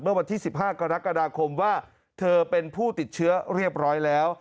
เมื่อวันที่๑๕กรกฎาคมว่าเธอเป็นผู้ติดเชื้อเรียบร้อยแล้ว